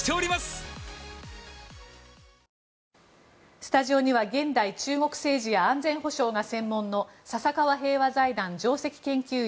スタジオには現代中国政治や安全保障が専門の笹川平和財団上席研究員